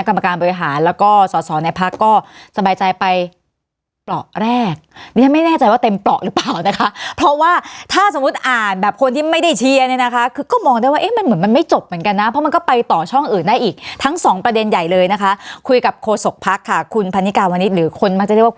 กรรมการบริหารแล้วก็สอสอในพักก็สบายใจไปเปราะแรกดิฉันไม่แน่ใจว่าเต็มเปราะหรือเปล่านะคะเพราะว่าถ้าสมมุติอ่านแบบคนที่ไม่ได้เชียร์เนี่ยนะคะคือก็มองได้ว่าเอ๊ะมันเหมือนมันไม่จบเหมือนกันนะเพราะมันก็ไปต่อช่องอื่นได้อีกทั้งสองประเด็นใหญ่เลยนะคะคุยกับโฆษกภักดิกาวนิดหรือคนมักจะเรียกว่าก